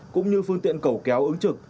cũng như phương tiện cẩu kéo ứng trực